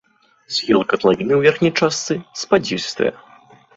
Схілы катлавіны ў верхняй частцы спадзістыя.